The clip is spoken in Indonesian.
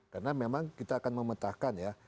karena memang kita akan memetahkan ya